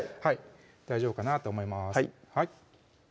はい大丈夫かなと思います